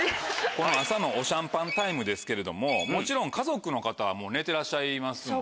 この朝のおシャンパンタイムですけれどももちろん家族の方は寝てらっしゃいますもんね。